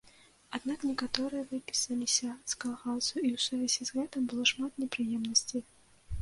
Аднак некаторыя выпісаліся з калгасаў, і ў сувязі з гэтым было шмат непрыемнасцей.